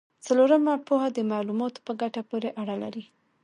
څلورمه پوهه د معلوماتو په ګټه پورې اړه لري.